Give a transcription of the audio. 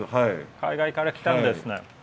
海外から来たんですね。